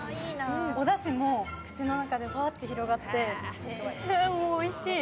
おだしも口の中でふわっと広がっておいしい。